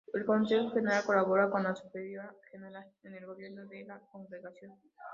El consejo general colabora con la superiora general en el Gobierno de la Congregación.